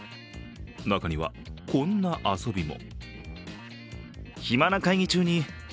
中には、こんな遊びも。